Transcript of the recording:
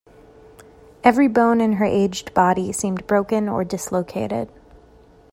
Every bone in her aged body seemed broken or dislocated.